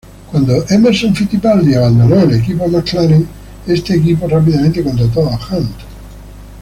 Cuando Emerson Fittipaldi abandonó el equipo McLaren, este equipo rápidamente contrató a Hunt.